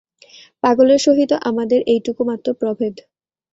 পাগলের সহিত আমাদের এইটুকু মাত্র প্রভেদ।